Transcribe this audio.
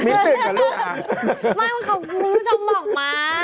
ไม่คุณผู้ชมบอกมาเมื่อกี้เห็นวิวข้างหนัก